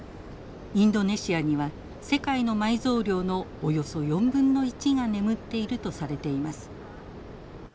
インドネシアには世界の埋蔵量のおよそ４分の１が眠っているとされています。